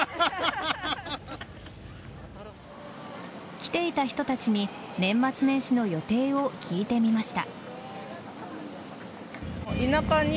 来ていた人たちに年末年始の予定を聞いてみました。